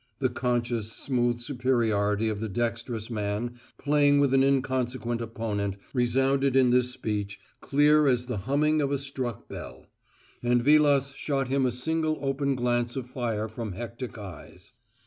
The conscious, smooth superiority of the dexterous man playing with an inconsequent opponent resounded in this speech, clear as the humming of a struck bell; and Vilas shot him a single open glance of fire from hectic eyes.